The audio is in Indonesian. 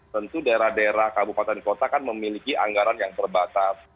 tentu daerah daerah kabupaten kota kan memiliki anggaran yang terbatas